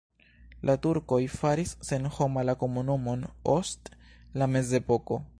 La turkoj faris senhoma la komunumon ost la mezepoko.